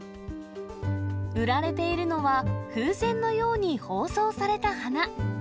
売られているのは、風船のように包装された花。